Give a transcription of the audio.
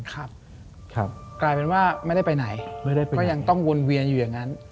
กลายเป็นว่าไม่ได้ไปไหนไม่ได้ไปก็ยังต้องวนเวียนอยู่อย่างนั้น